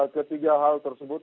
ketiga hal tersebut